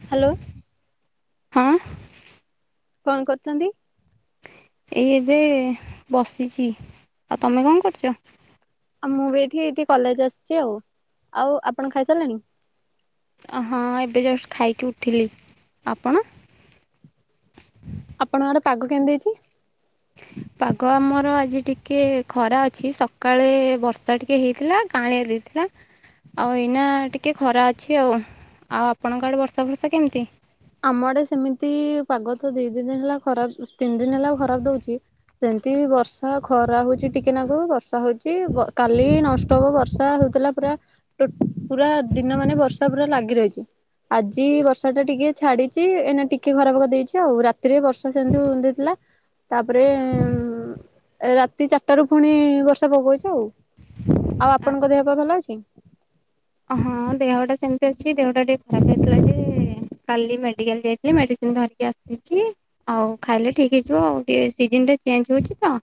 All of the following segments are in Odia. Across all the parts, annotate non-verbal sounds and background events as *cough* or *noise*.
। ହ୍ୟାଲୋ। ହଁ। କଣ କରୁଛନ୍ତି? ଏଇ ଏବେ ବସିଛି ଆଉ ତମେ କଣ କରୁଛ? ଆଉ ମୁଁ ବି ଏଇଠି ଏଇଠି କଲେଜ ଆସିଛି ଆଉ ଆଉ ଆପଣ ଖାଇସାରିଲେଣି? ହଁ ଏବେ ଜଷ୍ଟ ଖାଇକି ଉଠିଲି ଆପଣ? ଆପଣଙ୍କର ପାଗ କେମିତି ଅଛି? ପାଗ ଆମର ଆଜି ଟିକିେ ଖରା ଅଛି ସକାଳେ ବର୍ଷା ଟିକିଏ ହେଇଥିଲା କାଳିଆ ଦେଇ ଥିଲା ଆଉ ଏଇନା ଟିକିେ ଖରା ଅଛି ଆଉ ଆଉ ଆପଣଙ୍କ ଆଡ଼େ ବର୍ଷା ବର୍ଷା କେମିତି? ଆମ ଆଡେ ସେମିତି ପାଗ ତ ଦି ଦି ଦିନ ହେଲା ଖରାପ ତିନି ଦିନ ହେଲା ଖରାପ ଦଉଛି ସେମିତି ବର୍ଷା ଖରା ହଉଛି ଟିକେ ନାକୁ ବର୍ଷା ହଉଛି କାଲି ନଷ୍ଟ ବର୍ଷା ହଉଥିଲା ପୁରା ପୁରା ଦିନ ମାନେ ବର୍ଷା ପୁରା ଲାଗି ରହିଛି। ଆଜି ବର୍ଷା ଟା ଟିକେ ଛାଡିଛି ଏଇନା ଟିକେ ଖରାପ କରିଦେଇଛି ଆଉ ରାତିରେ ବର୍ଷା ସେମିତି ଦେଇଥିଲା ତାପରେ ରାତି ଚାରିଟା ରୁ ପୁଣି ବର୍ଷା ପକଉଛି ଆଉ। ଆଉ ଆପଣଙ୍କ ଦେହ ପା ଭଲ ଅଛି? ହଁ ଦେହଟା ସେମିତି ଅଛି ଦେହଟା ଟିକେ ଖରାପ ହେଇଥିଲା ଯେ କାଲି ମେଡିକାଲ ଯାଇଥିଲି ମେଡ଼ିସିନ ଧରିକି ଆସିଛି ଆଉ ଖାଇଲେ ଠିକ ହେଇଯିବ ଆଉ ଟିକେ ସିଜନ ଟା ଚେଞ୍ଜ ହଉଛି ତ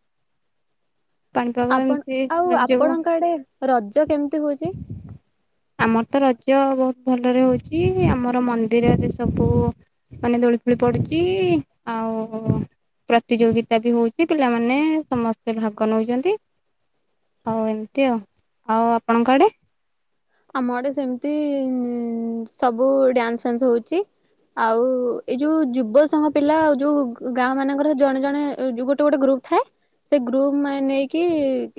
ପାଣିପାଗ ଆପଣ ଏମିତି ଆଉ ଯୋଗୁ ଆପଣଙ୍କ ଆଡେ ରଜ କେମିତି ହଉଛି? ଆମର ତ ରଜ ବହୁତ ଭଲରେ ହଉଛି ଆମର ମନ୍ଦିରରେ ସବୁ ମାନେ ଦୋଳି ଫୋଳି ପଡୁଛି ଆଉ। ପ୍ରତିଯୋଗିତା ବି ହଉଛି ପିଲାମାନେ ସମସ୍ତେ ଭାଗ ନଉଛନ୍ତି। ହଉ ଏମିତି ଆଉ ଆଉ ଆପଣଙ୍କଆଡେ? ଆମ ଆଡେ ସେମିତି ସବୁ ଡ୍ୟାନ୍ସ ଫାନ୍ସ ହଉଛି ଆଉ ଏଇ ଯୋଉ ଯୁବ ସମ ପିଲା ଆଉ ଯୋଉ ଗାଁ ମାନଙ୍କର ଜଣେ ଜଣେ ଯ ଗୋଟେ ଗୋଟ ଗୋଟେ ଗ୍ରୁପ ଥାଏ ସେ ଗ୍ରୁପ ମେ ନେଇକି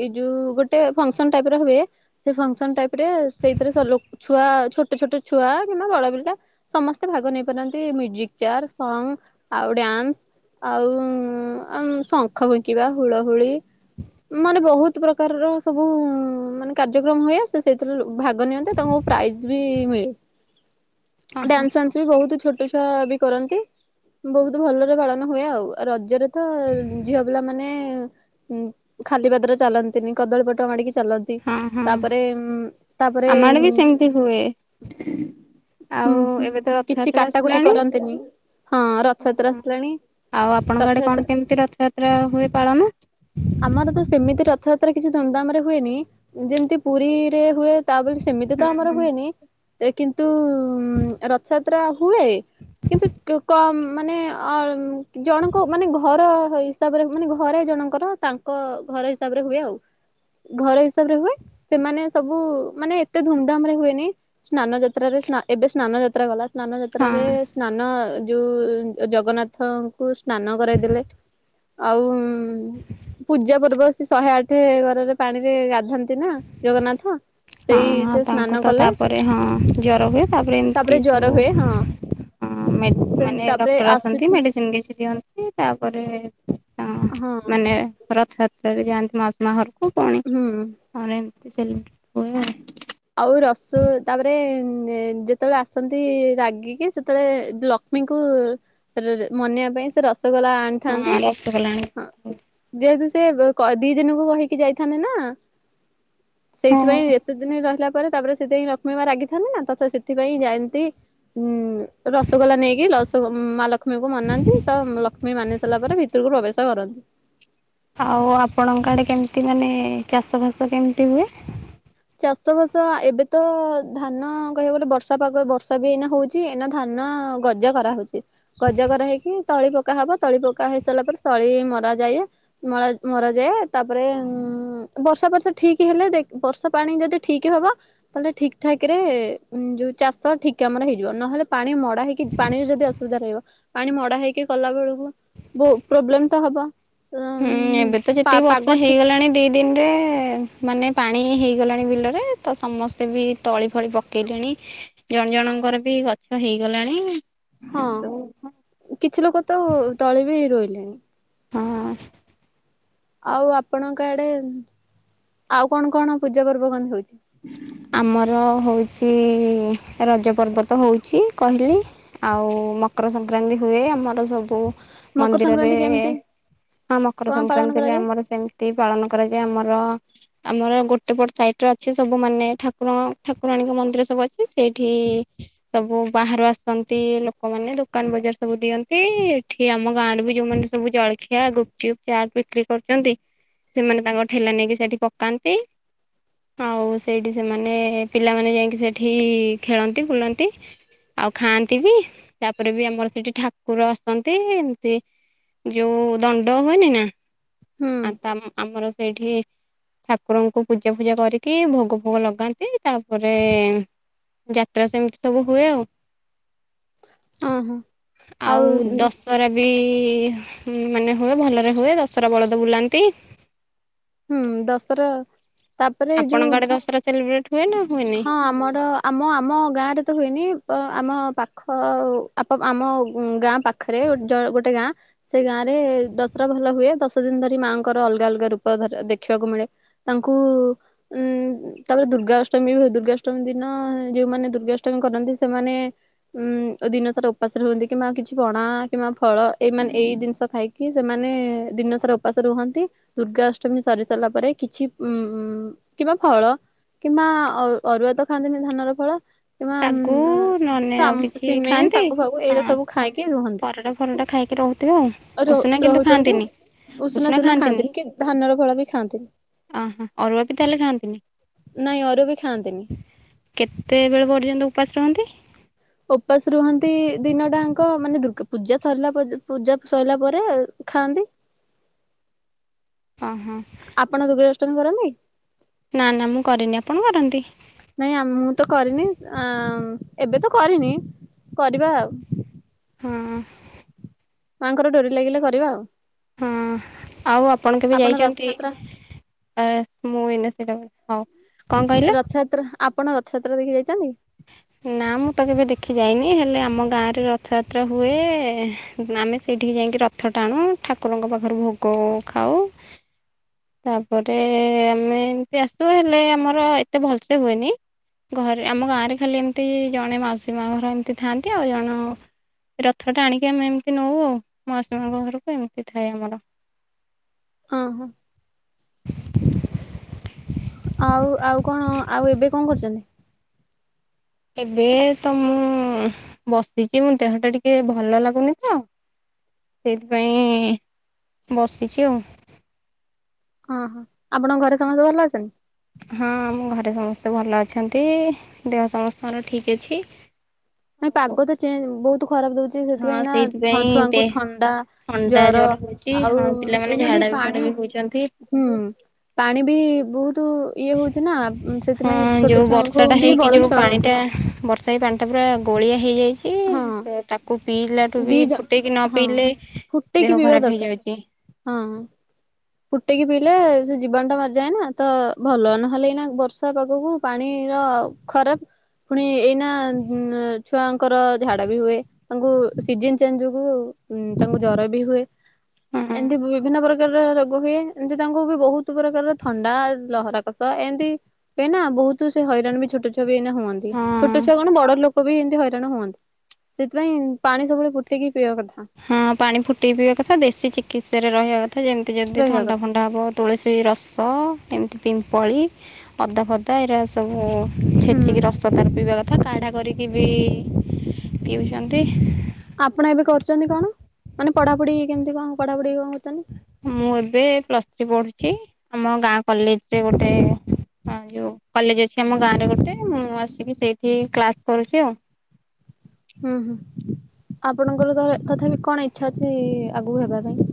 ଏ ଯୋଉ ଗୋଟେ ଫଙ୍କସନ ଟାଇପ ର ହୁଏ ସେ ଫଙ୍କସନ ଟାଇପ ରେ ସେଇଥିରେ ଲୋ ଛୁଆ ଛୋଟ ଛୋଟ ଛୁଆ କିମ୍ବା ବଡ ପିଲା ସମସ୍ତେ ଭାଗ ନେଇ ପାରନ୍ତି ମ୍ୟୁଜିକ ଚେୟାର ସଙ୍ଗ ଆଉ ଡ୍ୟାନ୍ସ ଆଉ ଆ ଶଙ୍ଖ ଫୁଙ୍କିବା ହୁଳହୁଳି ମାନେ ବହୁତ ପ୍ରକାରର ସବୁ ମାନେ କାର୍ଯ୍ୟକ୍ରମ ହୁଏ। ସେ ସେଇଥିରୁ ଭାଗ ନିଅନ୍ତି ତାଙ୍କୁ ପ୍ରାଇଜ ବି ମିଳେ। ହଁ ହଁ ଡ଼୍ୟାନ୍ସ ପ୍ୟାନ୍ସ ସେବି ବହୁତ ଛୋଟ ଛୁଆ ବି କରନ୍ତି ବହୁତ ଭଲରେ ପାଳନ ହୁଏ। ଆଉ ରଜରେ ତ ଝିଅ ପିଲା ମାନେ ଉ ଖାଲି ପାଦରେ ଚାଲନ୍ତିନି କଦଳୀ ପାଟୁଙ୍ଗ ମଡ଼ିକି ଚାଲନ୍ତି। ହଁ ହଁ ତାପରେ ଉ ଆମ ଆଡେ ବି ସେମିତି ହୁଏ। ଉଁ ଆଉ ଏବେ ତ କିଛି ରଥଯାତ୍ରା କାଟାକୁଟି ଆସିଲାଣି କରନ୍ତିନି। ହଁ ରଥଯାତ୍ରା ଅହୋ ଆସିଲାଣି ଆଉ ଆପଣଙ୍କ ଆଡେ କଣ ରଥଯାତ୍ରା କେମିତି ରଥଯାତ୍ରା ହୁଏ ପାଳନ? ଆମର ତ ସେମିତି ରଥଯାତ୍ରା କିଛି ଧୁମଧାମ ରେ ହୁଏନି। ଯେମିତି ପୁରୀରେ ହୁଏ ତା ବୋଲି ସେମିତି ହଁ ତ ଆମର ହୁଏନି। କିନ୍ତୁ ରଥ ଯାତ୍ରା ହୁଏ କିନ୍ତୁ କ ମାନେ ଅ ଜଣଙ୍କ ମାନେ ଘର ହିସାବରେ ମାନେ ଘରେ ଜଣଙ୍କର ତାଙ୍କ ଘର ହିସାବରେ ହୁଏ ଆଉ। ଘର ହିସାବରେ ହୁଏ ସେମାନେ ସବୁ ମାନେ ଏତେ ଧୁମଧାମ ରେ ହୁଏନି। ସ୍ନାନ ଯାତ୍ରାରେ ଏବେ ସ୍ନାନ ଯାତ୍ରା ଗଲା। ସ୍ନାନ ହଁ ଯାତ୍ରାରେ ସ୍ନାନ ଯୋଉ ଜଗନ୍ନାଥଙ୍କୁ ସ୍ନାନ କରାଇଦେଲେ ଆଉ ପୂଜା ପର୍ବ ସେ ଶହେ ଆଠ ଘରରେ ପାଣିରେ ଗାଧାନ୍ତି ନା ଜଗନ୍ନାଥ ହଁ ହଁ ସେଇଠି ତାଙ୍କୁ ସ୍ନାନ ତ କଲେ ତାପରେ ହଁ ଜର ହୁଏ ତାପରେ ଏମିତି ସବୁ ହଁ ସେମିତି ମାନେ ତାପରେ ଡକ୍ଟର ଆସନ୍ତି ଆସୁଛି ମେଡିସିନ କିଛି ଦିଅନ୍ତି ତାପରେ ହଁ ମାନେ ରଥଯାତ୍ରାରେ ଯାଆନ୍ତି ମାଉସୀ ମାଆ ଘରକୁ ପୁଣି ହୁଁ। ଆ ଏମିତି ସେଲିବ୍ରେଟ ହୁଏ। ଆଉ ରସୁ ତାପରେ ଯେତେବେଳେ ଆସନ୍ତି ରାଗିକି ସେତେବେଳେ ଲଷ୍ମୀଙ୍କୁ ମନେଇବା ପାଇଁ ସେ ରସଗୋଲା ଆଣିଥାନ୍ତି। ହଁ ରସଗୋଲା ହଁ। ଆଣିକି ଯେହେତୁ ସେ ଦି ଦିନକୁ କହିକି ଯାଇଥାନ୍ତେ ନା ହଁ ସେଇଥିପାଇଁ *unintelligible* ରହିଲା ପରେ ତାପରେ ସେଥିପାଇଁ ଲକ୍ଷ୍ମୀମା ରାଗିଥାନ୍ତି। ନା ତ ସେଥିପାଇଁ ଯାଆନ୍ତି ଉଁ ରସଗୋଲା ନେଇକି ରସ ମା ଲକ୍ଷ୍ମୀଙ୍କୁ ମନାନ୍ତି ତ ଲକ୍ଷ୍ମୀ ମାନି ସାରିଲା ପରେ ଭିତ ଭିତରକୁ ପ୍ରବେଶ କରନ୍ତି। ଆଉ ଆପଣଙ୍କ ଆଡ଼େ କେମତି ମାନେ ଚାଷ ଫାସ କେମିତି ହୁଏ? ଚାଷ ବାସ ଏବେତ ଧାନ କହିବାକୁ ଗଲେ ବର୍ଷା ପାଗ ବର୍ଷାବି ଏଇନା ହଉ ଚି ଏଇନା ଧାନ ଗଜା କରାହଉଚି। ଗଜ କରା ହେଇକି ତଳି ପକା ହବ ତଳି ପକା ହେଇ ସାରିଲା ପରେ ତଳି ମରା ଯାଏ ମଳା ମରା ଯାଏ ତାପରେ ଉଁ ବର୍ଷା ବର୍ଷା ଠିକ୍ ହେଲେ ଦେ ବର୍ଷା ପାଣି ଯଦି ଠିକ୍ ହବ ତାହେଲେ ଠିକ୍ ଠାକରେ ଯୋଉ ଚାଷ ଠିକ୍ କାମରେ ହେଇଯିବ ନହେଲେ ପାଣି ଭଡ଼ା ହେଇକି ପାଣିରେ ଯଦି ଅସୁବିଧା ରହିବ ପାଣି ଭଡ଼ା ହେଇକି କଲା ବେଳକୁ ବହୁ ପ୍ରୋବ୍ଲେମତ ହବ। ହୁଁ ଉଁ ଏବେତ ପା ଯେତିକି ପାଗ ବର୍ଷା ଠିକ ହେଇଗଲାଣି ଦି ଦିନରେ ମାନେ ପାଣି ହେଇଗଲାଣି ବିଲରେ ତ ସମସ୍ତେବି ତଳି ଫଳି ପକେଇଲେଣି ଜଣ ଜଣଙ୍କରବି ଗଛ ହେଇଗଲାଣି। ହଁ, କିଛି ଲୋକତ ତଳେବି ରୋଇଲେଣି। ହଁ। ଆଉ ଆପଣଙ୍କ ଆଡ଼େ ଆଉ କଣ କଣ ପୂଜା ପର୍ବ କଣ ହଉଚି? ଆମର ହଉଚି ରଜ ପର୍ବ ହଉଚି କହିଲି ଆଉ ମକର ସଂକ୍ରାନ୍ତି ହୁଏ ଆମର ସବୁ ମକର ମନ୍ଦିରରେ ସଂକ୍ରାନ୍ତି କେମିତି ହଁ ମକର କଣ ପାଳନ ସଂକ୍ରାନ୍ତିରେ କରାଯାଏ? ଆମର ସେମି ମିତି ପାଳନ କରାଯାଏ ଆମର ଆମର ଗୋଟେ ପଟ ସାଇଟରେ ଅଛି ସବୁ ମାନେ ଠାକୁର ଠାକୁରାଣୀଙ୍କ ମନ୍ଦିର ସବୁ ଅଛି ସେଇଠି ସବୁ ବାହାରୁ ଆସନ୍ତି ଲୋକମାନେ ଦୋକାନ ବଜାର ସବୁ ଦିଅନ୍ତି ଏଠି କି ଆମ ଗାଁରେବି ଯୋଉମାନେ ସବୁ ଜଳଖିଆ ଗୁପଚୁପ୍ ଚାଟ୍ ବିକ୍ରି କରୁଚନ୍ତି ସେମାନେ ତାଙ୍କ ଠେଲା ନେଇକି ସେଠି ପକାନ୍ତି ଆଉ ସେଇଠି ସେମାନେ ପିଲାମାନେ ଯାଇକି ସେଠି ଖେଳନ୍ତି ବୁଲନ୍ତି ଆଉ ଖାଆନ୍ତିବି ତାପରେବି ଆମର ସେଠି ଠାକୁର ଆସନ୍ତି ଏମିତି ଯୋଉ ଦଣ୍ଡ ହୁଏନିନା ହୁଁ ଆ ତ ଆମ - ଆମର ସେଇଠି ଠାକୁରଙ୍କୁ ପୂଜା ଫୂଜା କରିକି ଭୋଗ ଭୋଗ ଲଗାନ୍ତି ତାପରେ ଯାତ୍ରା ସେମିତି ସବୁ ହୁଏ ଆଉ। ଓହୋ *inaudible* ଆଉ ଦଶ ଦଶହରାବି ମାନେ ହୁଏ ଭଲରେ ହୁଏ ଦଶହରା ବଳଦ ବୁଲାନ୍ତି। ହୁଁ ଦଶହରା ତାପରେ ଯୋଉ ଆପଣଙ୍କ ଆଡେ ଦଶହରା ସେଲିବ୍ରେଟ ହୁଏ ନା ହୁଏନି ହଁ ଆମର ଆମ-ଆମ ଗାଁରେତ ହୁଏନି ଆମ ପାଖ ଆମ ଗାଁ ପାଖ ପାଖରେ ଜ ଗୋଟେ ଗାଁ ସେ ଗାଁ ରେ ଦଶହରା ଭଲ ହୁଏ ଦଶ ଦିନ ଧରି ମାଆଙ୍କର ଅଲଗା ଅଲଗା ରୁ *inaudible* ଦେଖିବାକୁ ମିଳେ ତାଙ୍କୁ ଉଁ ତାପରେ ଦୁର୍ଗାଅଷ୍ଟମୀ ହୁଏ ଦୁର୍ଗା ଅଷ୍ଟମୀ ଦିନ ଯୋଉମାନେ ଦୁର୍ଗାଅଷ୍ଟମୀ କରନ୍ତି ସେମାନେ ଉଁ ଦିନ ସାରା ଉପାସରେ ରୁହନ୍ତି କିମ୍ବା କିଛି ପଣା କିମ୍ବା ଫଳ ଏଇ ମନେ ଏଇ ଜିନିଷ ଖାଇକି କି ସେମାନେ ଦିନସାରା ଉପାସ ରୁହନ୍ତି ଦୁର୍ଗା ଅ *unintelligible* ସରି ସାରିଲା ପରେ କିଛି ଉମ କିମ୍ବା ଫଳ କିମ୍ବା ଅରୁଆତ ଖାଆନ୍ତିନି ଧାନର ଫଳ କିବାମ ଶାଗୁ ନହେଲେ ଆଉ ଉମ କିଛି ସିମେଇ, ଖାଆନ୍ତି ସାଗୁ ଫାଗୁ ହଁ ଏଇରା ସବୁ ଖାଇକି ପରଟା ରୁହନ୍ତି ଫରଟା ଖାଇକି ରହୁଥିବେ ଆଉ ରହୁ ଉଷୁନା - କିନ୍ତୁ ରହୁଚନ୍ତି। ଖାଆନ୍ତିନି ଉଷୁନା ସେଦିନ ଖାଆନ୍ତିନି କି ଧାନର ଫଳବି ଖାଆନ୍ତିନି। ଅଁହଁ ଅରୁଆବି ତାହେଲେ ଖାଆନ୍ତିନି? ନାଇଁ ଅରୁଆବି ଖାଆନ୍ତିନି। କେତେ ବେଳ ପର୍ଯ୍ୟନ୍ତ ଉପାସ ରୁହନ୍ତି? ଓପାସ ରୁହନ୍ତି ଦିନଟାଙ୍କ ମାନେ ଦୁର୍ଗା ପୂଜା ସରିଲା ପରେ ପୂଜା ସରିଲା ପରେ ଖାଆନ୍ତି। ଅହଁ। ଆପଣ ଦୁର୍ଗା ଅଷ୍ଟମୀ କରନ୍ତି? ନା ନା, ମୁଁ କରେନି ଆପଣ କରନ୍ତି? ନାଇଁ ଆ ମୁଁତ କରିନି, ଆଁ ଏବେ ତ କରିନି କରିବାଉ ହୁଁ। ମାଙ୍କର ଡୋରି ଲାଗିଲେ କରିବା ଆଉ। ହଁ ଆଉ ଆପଣ କେବେ ଯାଇଛନ୍ତି, ଆ ମୁଁ ଏଇନା ସେଇଟା। *inaudible* କଣ କହିଲେ ରଥଯାତ୍ରା, ଆପଣ ରଥଯାତ୍ରା ଦେଖି ଯାଇଛନ୍ତି? ନା ମୁଁ ତ କେବେ ଦେଖି ଯାଇନି, ହେଲେ ଆମ ଗାଁରେ ରଥଯାତ୍ରା ହୁଏ, ଏ ମାନେ ସେଇଠିକି ଯାଇକି ରଥ ଟାଣୁ, ଠାକୁରଙ୍କ ପାଖରୁ ଭୋଗ ଖାଉ ତାପରେ ଆମେ ଏମତି ଆସୁ ହେଲେ ଆମର ଏତେ ଭଲସେ ହୁଏନି ଘରେ ଆମ ଗାଁ ରେ ଖାଲି ଏମିତି ଜଣେ ମାଉସୀ ମା ଘର ଏମିତି ଥାଆନ୍ତି ଆଉ ଜଣ ରଥ ଟାଣିକି ଆମେ ଏମିତି ନଉ ମାସୀଙ୍କ ଘରକୁ ଏମିତି ଥାଏ ଆମର। ଅହଁ। ଆଉ ଆଉ କଣ, ଆଉ ଏବେ କଣ କରୁଛନ୍ତି? ଏବେ ତ ମୁଁ ବସିଛି, ମୁଁ ଦେହଟା ଟିକେ ଭଲ ଲାଗୁନି ତ ସେଇଥିପାଇଁ ବସିଛି ଆଉ। ଅହଁ ଆପଣଙ୍କ ଘରେ ସମସ୍ତେ ଭଲ ଅଛନ୍ତି? ହଁ ଆମ ଘରେ ସମସ୍ତେ ଭଲ ଅଛନ୍ତି, ଦେହ ସମସ୍ତଙ୍କର ଠିକ୍ ଅଛି। ନାଇଁ ପାଗ ତ ଚେଞ୍ଜ ବହୁତ ଖରାପ ଦଉଛି ହଁ ସେଥିପାଇଁ ନା ଥ ସେଇଥିପାଇଁ ଛୁଆଙ୍କୁ ଦେ ଥଣ୍ଡା ଥଣ୍ଡା ଜର, ହଉଛି ଆଉ ହଁ ପିଲାମାନେ ଏଇନା ବି ଝାଡା ଫାଡା ପାଣି ହଉଛନ୍ତି ହୁଁ, ପାଣି ବି ବହୁତୁ ଇଏ ହଉଛି ନା, ସେଥିପାଇଁ ହଁ ଛୋଟ ଯୋଉ ଛୁଆଙ୍କୁ ବର୍ଷାଟା ହୁଅନ୍ତି କି ହେଇକି ବଡ ଯୋଉ ଛୁଆ ପାଣିଟା ହୁଅନ୍ତୁ। ବର୍ଷା ହେଇ ପାଣିଟା ପୁରା ଗୋଳିଆ ହେଇଯାଇଛି। ହଁ ତାକୁ ପିଇଲା ଠୁ ବି ଦି ଜ ଫୁଟେଇକି ନ ହଁ ପିଇଲେ ଫୁଟେଇକି ଦେହ ପିଇବା ଖରାପ ଦରକାର ହେଇଯାଉଛି। ହଁ। ଫୁଟକି ପିଇଲେ ସେ ଜୀବଣୁ ଟା ମାରିଯାଏନା ତ ଭଲ, ନହେଲେ ଏଇନା ବର୍ଷା ପାଗକୁ ପାଣିର ଖରାପ, ପୁଣି ଏଇନା ଛୁଆଙ୍କର ଝାଡା ବି ହୁଏ। ତାଙ୍କୁ ସିଜନ ଚେଞ୍ଜ ଯୋଗୁ ତାଙ୍କୁ ଜର ବି ହୁଏ। ହଁ ଏମିତି ବିଭିନ୍ନ ପ୍ରକାରର ରୋ ଗୋ ହୁଏ, ଏମିତି ତାଙ୍କୁ ବି ବହୁତ ପ୍ରକାରର ଥଣ୍ଡା, ଲହରା କଷ ଏମତି ଏଇନା ବହୁତ ସେ ହଇରାଣ ବି ଛୋଟ ଛଆ ବି ଏଇ ହୁଅନ୍ତି, ହଁ ଛୋଟ ଛୁଆ କଣ ବଡ ଲୋକ ବି ଏମତି ହଇ ହୁଅନ୍ତି, ସେଥିପାଇଁ ପାଣି ସବୁବେଳେ ଫୁଟିକି ପିଇବା କଥା। ହଁ ପାଣି ଫୁଟେଇ ପିଇବା କଥା, ଦେଶୀ ଚିକିତ୍ସାରେ ରହିବା କଥା, ଯେମିତି ଯଦି ରହିବା ଥଣ୍ଡା କଥା ଫଣ୍ଡା ହବ। ତୁଳସୀ ରସ, ଏମିତି ପିମ୍ପଳି, ଅଦା ଫଦା ଏଇରା। ସବୁ ହୁଁ। ଛେଚିକି ରଷ୍ *unintelligible* ପିଇବା କଥା, କାଢ଼ା କରିକି ବି ପିଉଛନ୍ତି। ଆପଣ ଏବେ କରୁଛନ୍ତି କଣ, ମାନେ ପଢାପଢି କେମିତି କଣ ପଢାପଢି କଣ କରୁଛନ୍ତି। ମୁଁ ଏବେ ପ୍ଲସ୍ ଥ୍ରୀ ପଢୁଛି, ଆମ ଗାଁ କଲେଜରେ ଗୋଟେ ହଁ ଯୋଉ କଲେଜ ଅଛି ଆମ ଗାଁ ରେ ଗୋଟେ, ମୁଁ ଆସିକି ସେଇଠି କ୍ଲାସ କରୁଛି ଆଉ। ହୁଁ ହୁଁ, ଆପଣଙ୍କର ତ ତଥାପି କଣ ଇଚ୍ଛା ଅଛି ଆଗକୁ ହେବା ପାଇଁ?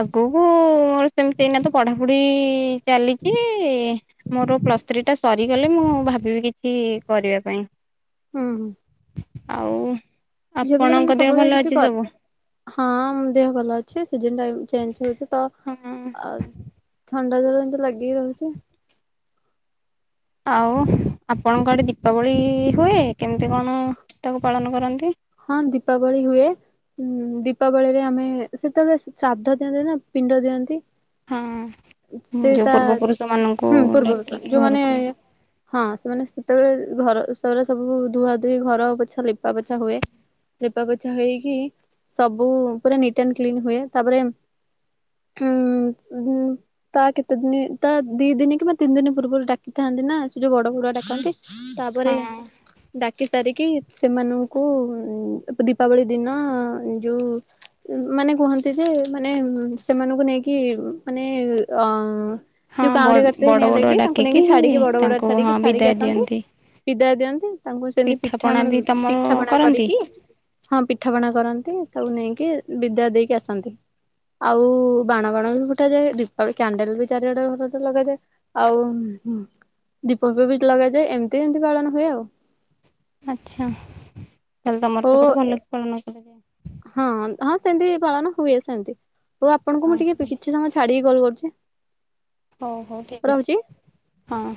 ଆଗକୁ ମୋର ସେମିତି ଏଇନା ତ ପଢାପଢି ଚାଲିଛି। ମୋର ପ୍ଲସ୍ ଥ୍ରୀ ଟା ସରିଗଲେ ମୁଁ ଭାବିବି କିଛି କରିବା ପାଇଁ। ହୁଁ ହୁଁ ଆଉ ଝିଅ ପିଲା ମାନେ ଆପଣଙ୍କ ଦେହ ସବୁବେଳେ ଭଲ କିଛି ଅଛି କର ସବୁ ହଁ ମୋ ଦେହ ଭଲ ଅଛି ସିଜନ ଟା ବି ଚେଞ୍ଜ ହଉଛି ତ ହଁ ଥଣ୍ଡା ଜ୍ୱର ଏମିତି ଲାଗିି ରହୁଛି ଆଉ ଆପଣଙ୍କ ଆଡ଼େ ଦୀପାବଳି ହୁଏ କେମିତି କଣ ତାକୁ ପାଳନ କରନ୍ତି ହଁ ଦୀପାବଳି ହୁଏ ହୁଁ ଦୀପାବଳିରେ ଆମେ ସେତେବେଳେ ଶ୍ରାଦ୍ଧ ଦିଅନ୍ତି ନା ପିଣ୍ଡ ଦିଅନ୍ତି ହଁ ଯୋଉ ସେଇଟା ପୂର୍ବ ପୁରୁଷ ମାନଙ୍କୁ ହୁଁ ଡାକିକି ପୂର୍ବଭୂଷଣ ଯୋଉମାନେ ଘରକୁ ହଁ ସେମାନେ ସେତେବେଳେ ଘର ସେଗୁରା ସବୁ ଧୁଆ ଧୁଇ ଘର ପୋଛା ଲିପା ପୋଛା ହୁଏ ଲିପା ପୋଛା ହେଇକି ସବୁ ପୁରା ନିଟ୍ ଆଣ୍ଡ କ୍ଲିନ ହୁଏ ତାପରେ ହୁଁ ହ ତା କେତେ ଦିନ ତା ଦି ଦିନ କିମ୍ବା ତିନି ଦିନ ପୂର୍ବରୁ ଡାକିଥାନ୍ତି ନା ସେ ଯୋଉ ବଡ ବଡୁଆ ଡାକନ୍ତି ତାପରେ ହଁ ଡାକି ସାରିକି ସେମାନଙ୍କୁ ଉଁ ଏ ଦୀପାବଳି ଦିନ ଯୋଉ ମାନେ କୁହନ୍ତି ଯେ ମାନେ ସେମାନଙ୍କୁ ନେଇକି ମାନେ ଅ ହଁ ଯୋଉ କାଉଁରୀ ବଡ଼ ଗଛରେ ନିଆଁ ବଡ଼ ଦେଇକି ତାଙ୍କୁ ଡାକିକି ନେଇକି ଛାଡିକି ବଡ ବଡୁଆ ତାଙ୍କୁ ହଁ ଛାଡିକି ଛାଡିକି ବିଦାୟ ଆସନ୍ତି ଦିଅନ୍ତି। ବିଦାୟ ଦିଅନ୍ତି ତାଙ୍କୁ ସେମିତି ପିଠା ପିଠାପଣା ମାନେ ବି ତମର ପିଠା ପଣା କରନ୍ତି? କରିକି ହଁ ପିଠାପଣା କରନ୍ତି ତାକୁ ନେଇକି ବିଦାୟ ଦେଇକି ଆସନ୍ତି ଆଉ ବାଣ ବାଣ ବି ଫୁଟାଯାଏ ଦୀପାବଳି କ୍ୟାଣ୍ଡେଲ ବି ଚାରିଆଡେ ଘରର ଲଗାଯାଏ ଆଉ ଦୀପ ଫିପ ବି ଲଗାଯାଏ ଏମିତି ଏମିତି ପାଳନ ହୁଏ ଆଉ ଆଛା ତାହେଲେ ତମର ତ ଓ ହେପଟେ ଭଲକି ପାଳନ କରାଯାଏ ହଁ ହଁ ସେମିତି ପାଳନ ହୁଏ ସେମିତି ହଉ ଆପଣଙ୍କୁ ହଁ ମୁଁ ଟିକେ କିଛି ସମୟ ଛାଡିକି କଲ୍ କରୁଛି ହଉ ହଉ ଠିକ ରହୁଛି। ଅଛି ହଁ